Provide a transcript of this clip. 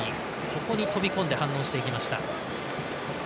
そこに飛び込んで反応していきました。